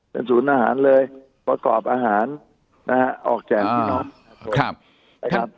เป็นศูนย์อาหารเลยประกอบอาหารนะฮะออกแจกครับ